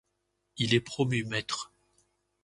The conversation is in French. Il est promu maître.